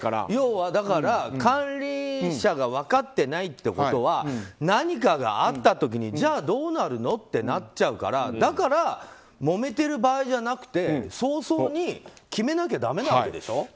要は管理者が分かってないってことは何かがあった時にじゃあどうなるのってなっちゃうからだから、もめてる場合じゃなくて早々に決めなきゃだめなわけでしょ。